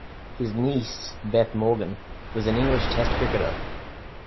His niece, Beth Morgan, was an England Test cricketer.